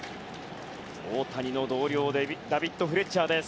大谷の同僚のダビッド・フレッチャーです。